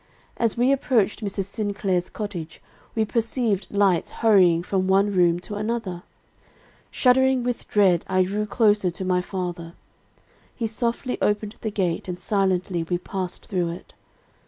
As we approached Mrs. Sinclair's cottage, we perceived lights hurrying from one room to another. Shuddering with dread, I drew closer to my father. He softly opened the gate, and silently we passed through it.